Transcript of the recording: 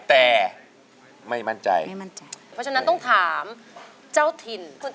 แบบนี้